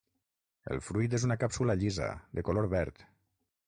El fruit és una càpsula llisa, de color verd.